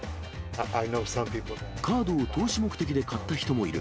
カードを投資目的で買った人もいる。